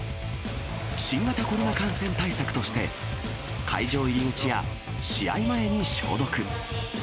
新型コロナ感染対策として、会場入り口や試合前に消毒。